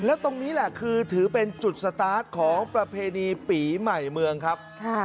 แล้วตรงนี้แหละคือถือเป็นจุดสตาร์ทของประเพณีปีใหม่เมืองครับ